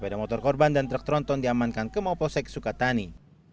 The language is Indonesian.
naas tang motor korban dan truk tronton diamankan ke mauposek sukatani